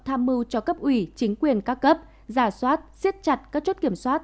tham mưu cho cấp ủy chính quyền các cấp giả soát xiết chặt các chốt kiểm soát